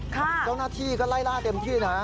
เจ้าหน้าที่ก็ไล่ล่าเต็มที่นะ